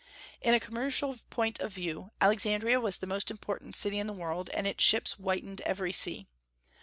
In a commercial point of view Alexandria was the most important city in the world, and its ships whitened every sea.